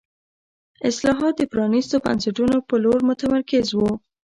اصلاحات د پرانیستو بنسټونو په لور متمرکز وو.